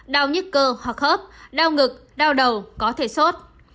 đau nhức cơ hoặc hớp đau ngực đau đầu có thể sốt